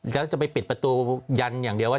แล้วจะไปปิดประตูยันอย่างเดียวว่า